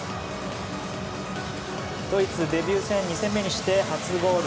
ドイツデビュー戦２戦目にして初ゴール。